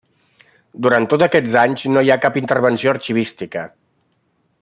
Durant tots aquests anys no hi ha cap intervenció arxivística.